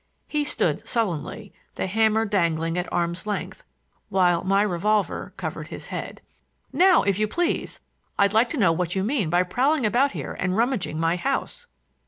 He stood sullenly, the hammer dangling at arm's length, while my revolver covered his head. "Now, if you please, I'd like to know what you mean by prowling about here and rummaging my house!"